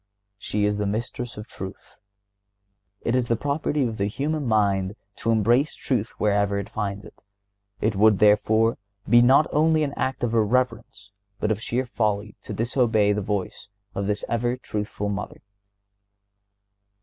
She is the Mistress of truth. It is the property of the human mind to embrace truth wherever it finds it. It would, therefore, be not only an act of irreverence, but of sheer folly, to disobey the voice of this ever truthful Mother.